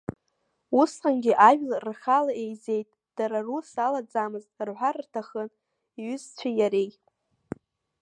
Усҟангьы ажәлар рхала еизеит, дара рус алаӡамызт рҳәар рҭахын иҩызцәеи иареи.